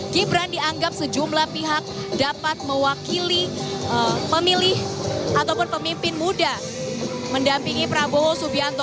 gibran dianggap sejumlah pihak dapat mewakili pemilih ataupun pemimpin muda mendampingi prabowo subianto